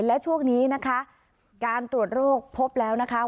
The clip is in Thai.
และช่วงนี้นะคะการตรวจโรคพบแล้วนะคะ